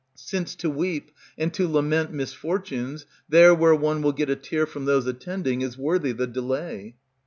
Since to weep and to lament misfortunes, There where one will get a tear From those attending, is worthy the delay.